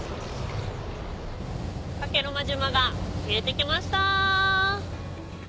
加計呂麻島が見えてきました！